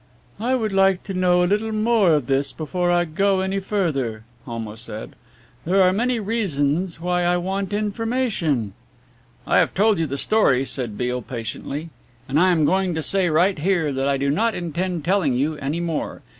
"I would like to know a little more of this before I go any further," Homo said, "there are many reasons why I want information." "I have told you the story," said Beale patiently, "and I am going to say right here that I do not intend telling you any more.